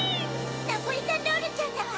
ナポリタンロールちゃんだわ！